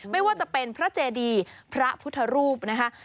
ไม่ว่าจะเป็นพระเจดีพระพุทธรูปนะคะ